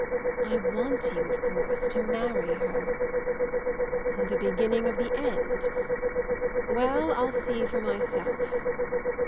"I want you of course to marry her." "The beginning of the end? Well, I'll see for myself.